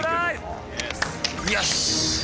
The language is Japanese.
よし！